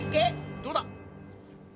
どうだ！